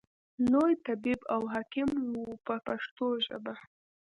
لوی طبیب او حکیم و په پښتو ژبه.